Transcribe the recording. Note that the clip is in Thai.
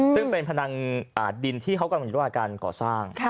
ซึ่งเป็นภนังดินที่เขาก๔การเกาะสร้าง